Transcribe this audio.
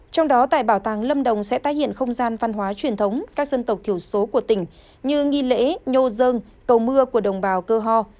trong đó tại bảo tàng lâm đồng sẽ tái hiện không gian văn hóa truyền thống các dân tộc thiểu số của tỉnh như nghi lễ nhông cầu mưa của đồng bào cơ ho